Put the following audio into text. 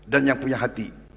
dan yang punya hati